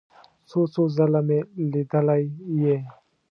څو څو ځله مې لیدلی یې.